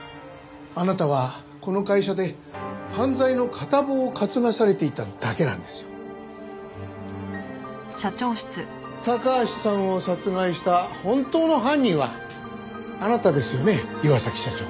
あなたはこの会社で犯罪の片棒を担がされていただけなんですよ。高橋さんを殺害した本当の犯人はあなたですよね岩崎社長。